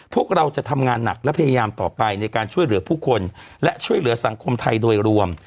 พวกเราจะทำงานหนักและพยายามต่อไปในการช่วยเหลือผู้คนและช่วยเหลือสังคมไทยโดยรวม